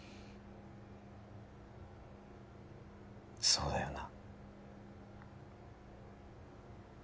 そうだよな